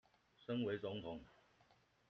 身為總統